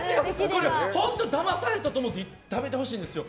本当にだまされたと思って食べてほしいんですよ。